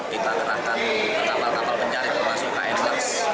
kita gerakkan kapal kapal pencarian termasuk km lars